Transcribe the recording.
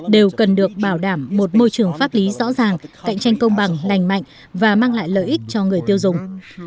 đều cần được bảo đảm một môi trường pháp lý rõ ràng cạnh tranh công bằng lành mạnh và mang lại lợi ích cho người tiêu dùng